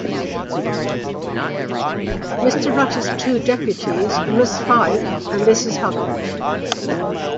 Mr Rutter's two deputes are Ms. Fife and Mrs. Huggan.